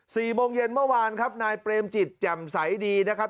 สี่โมงเย็นเมื่อวานครับนายเปรมจิตแจ่มใสดีนะครับ